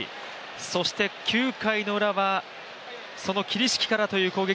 そして９回のウラはその桐敷からという攻撃。